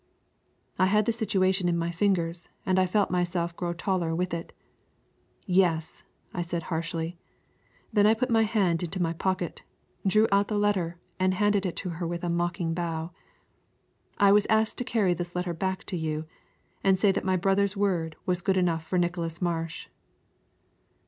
I had the situation in my fingers, and I felt myself grow taller with it. "Yes," I said harshly. Then I put my hand into my pocket, drew out the letter and handed it to her with a mocking bow. "I was asked to carry this letter back to you, and say that my brother's word is good enough for Nicholas Marsh."